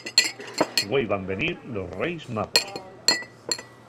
Güei van venir los Reis Magos.